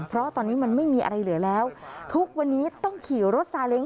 เพราะตอนนี้มันไม่มีอะไรเหลือแล้วทุกวันนี้ต้องขี่รถซาเล้ง